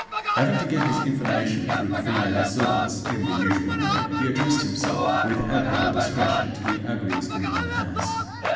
"Having to get his information through the female servants in the usual way, he addressed himself, with admirable discretion, to the ugliest woman in the house.